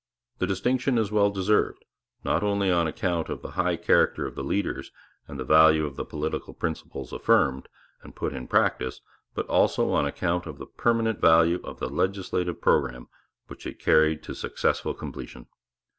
The distinction is well deserved, not only on account of the high character of the leaders, and the value of the political principles affirmed and put in practice, but also on account of the permanent value of the legislative programme which it carried to successful completion.